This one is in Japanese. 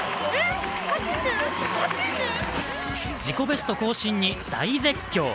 自己ベスト更新に大絶叫。